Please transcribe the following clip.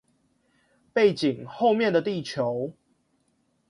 背景後面的地球